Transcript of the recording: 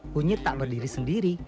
kunyit tak berdiri sendiri